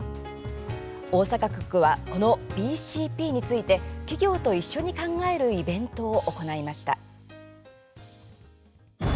大阪局はこのＢＣＰについて企業と一緒に考えるイベントを行いました。